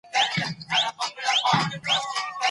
دغه لیدنه د هغې لپاره د پوهنتون درس و.